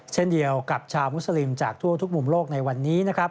เช่นเดียวกับชาวมุสลิมจากทั่วทุกมุมโลกในวันนี้นะครับ